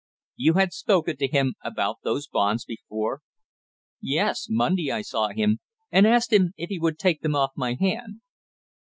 "You had spoken to him about those bonds before?" "Yes, Monday I saw him and asked him if he would take them off my hand."